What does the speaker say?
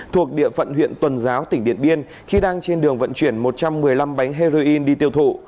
thuộc địa phận huyện tuần giáo tỉnh điện biên khi đang trên đường vận chuyển một trăm một mươi năm bánh heroin đi tiêu thụ